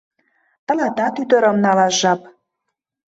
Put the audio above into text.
— Тылатат ӱдырым налаш жап.